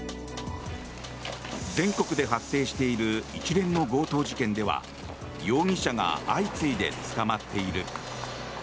全国で発生している一連の強盗事件では容疑者が相次いで捕まっている。